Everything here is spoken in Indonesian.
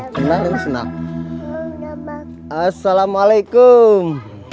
kenalin senang assalamualaikum